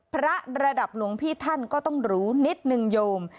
ระดับหลวงพี่ท่านก็ต้องรู้นิดนึงโยม